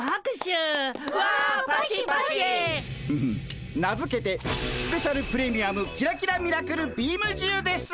フフッ名付けてスペシャル・プレミアムキラキラ・ミラクル・ビームじゅうです！